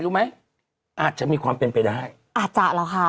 รู้ไหมอาจจะมีความเป็นไปได้อาจจะหรอคะ